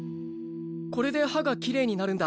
これで歯がきれいになるんだ？